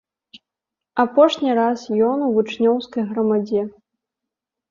Апошні раз ён у вучнёўскай грамадзе.